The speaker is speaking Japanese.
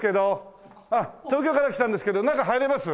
東京から来たんですけど中入れます？